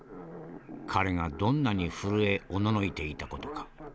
彼がどんなに震えおののいていた事か。